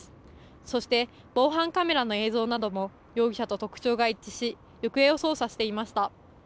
そして防犯カメラの映像なども容疑者と特徴が一致し行方を捜査していました。